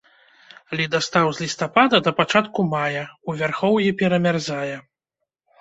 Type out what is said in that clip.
Ледастаў з лістапада да пачатку мая, у вярхоўі перамярзае.